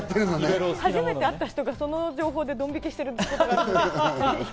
初めて会った人がその情報でドン引きしている。